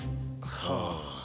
はあ。